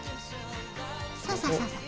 そうそうそうそう。